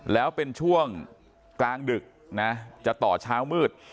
แล้วเป็นช่วงกลางดึกนะจะต่อเช้ามืด